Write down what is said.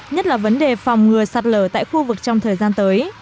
nhất là vấn đề phòng ngừa sạt lở tại khu vực trong thời gian tới